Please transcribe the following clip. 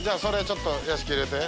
ちょっと屋敷入れて。